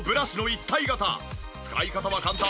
使い方は簡単。